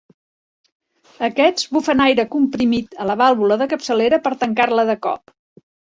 Aquests bufen aire comprimit a la vàlvula de capçalera per tancar-la de cop.